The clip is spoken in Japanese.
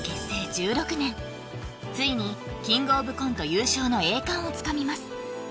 １６年ついにキングオブコント優勝の栄冠をつかみます